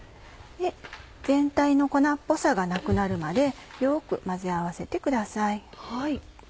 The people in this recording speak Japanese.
全体の粉っぽさがなくなるまでよく混ぜ合わせてください。